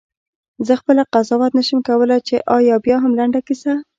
زه خپله قضاوت نه شم کولای چې آیا بیاهم لنډه کیسه.